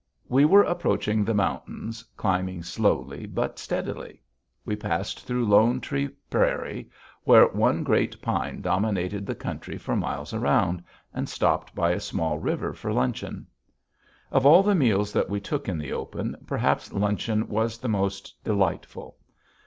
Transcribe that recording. We were approaching the mountains, climbing slowly but steadily. We passed through Lone Tree Prairie, where one great pine dominated the country for miles around, and stopped by a small river for luncheon. Of all the meals that we took in the open, perhaps luncheon was the most delightful.